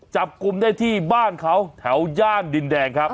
จับกลุ่มได้ที่บ้านเขาแถวย่านดินแดงครับ